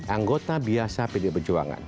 anggota biasa pdi pejuangan